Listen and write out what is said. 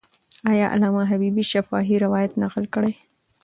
آیا علامه حبیبي شفاهي روایت نقل کړی؟